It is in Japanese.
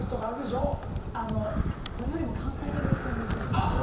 あのそれよりも関西弁が一番難しい。